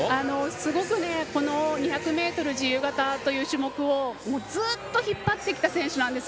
すごく、２００ｍ自由形という種目をずっと引っ張ってきた選手なんです。